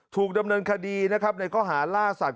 ถูกดำเนินคดีนะครับในข้อหาล่าสัตว